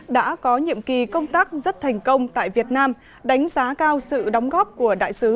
đã có nhiệm kỳ công tác rất thành công tại việt nam đánh giá cao sự đóng góp của đại sứ